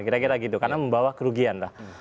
kira kira gitu karena membawa kerugian dah